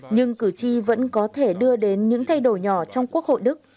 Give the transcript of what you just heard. nhưng cử tri vẫn có thể đưa đến những thay đổi nhỏ trong quốc hội đức